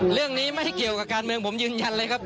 เรื่องนี้ไม่เกี่ยวกับการเมืองผมยืนยันเลยครับ